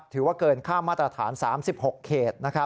ถือว่าเกินค่ามาตรฐาน๓๖เขต